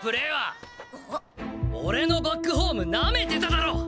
俺のバックホームなめてただろ！